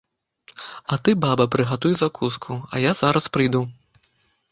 А ты, баба, прыгатуй закуску, а я зараз прыйду.